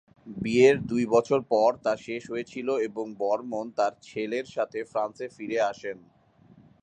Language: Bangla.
বিয়ের দুই বছর পর তা শেষ হয়েছিল এবং বর্মণ তার ছেলের সাথে ফ্রান্সে ফিরে আসেন।